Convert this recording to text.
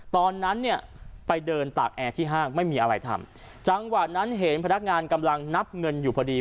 ตอนนั้นเนี่ยไปเดินตากแอร์ที่ห้างไม่มีอะไรทำจังหวะนั้นเห็นพนักงานกำลังนับเงินอยู่พอดี